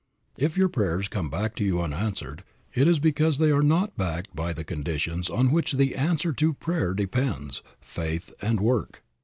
If your prayers come back to you unanswered it is because they are not backed by the conditions on which the answer to prayer depends, faith and work.